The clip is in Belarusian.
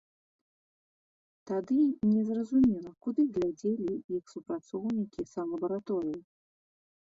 Тады не зразумела, куды глядзелі іх супрацоўнікі санлабараторыі.